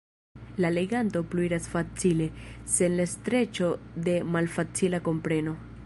La leganto pluiras facile, sen la streĉo de malfacila kompreno.